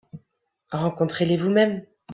Rencontrez-les vous-même.